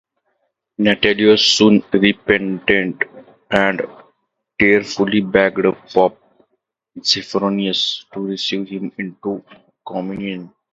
Natalius soon repented and tearfully begged Pope Zephyrinus to receive him into communion.